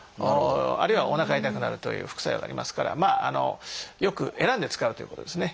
あるいはおなか痛くなるという副作用がありますからよく選んで使うということですね。